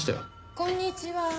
こんにちは。